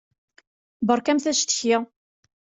Beṛkamt acetki.